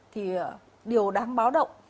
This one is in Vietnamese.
thì điều đáng báo động